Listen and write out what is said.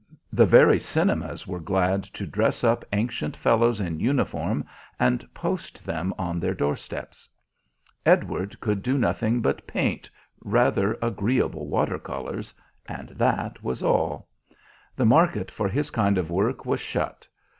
The very cinemas were glad to dress up ancient fellows in uniform and post them on their doorsteps. Edward could do nothing but paint rather agreeable water colours, and that was all. The market for his kind of work was shut.